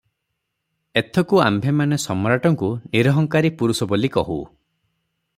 ଏଥକୁ ଆମ୍ଭେମାନେ ସମ୍ରାଟଙ୍କୁ ନିରହଙ୍କାରି ପୁରୁଷ ବୋଲି କହୁ ।